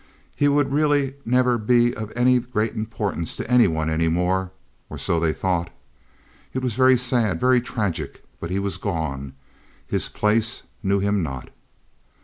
He would really never be of any great importance to any one any more, or so they thought. It was very sad, very tragic, but he was gone—his place knew him not.